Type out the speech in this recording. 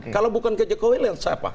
kalau bukan ke jokowi saya apa